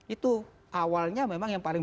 itu awalnya memang yang paling